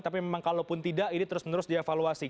tapi memang kalau pun tidak ini terus menerus dievaluasi